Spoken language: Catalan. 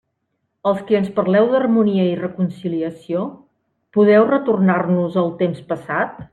Els qui ens parleu d'harmonia i reconciliació, ¿podeu retornar-nos el temps passat?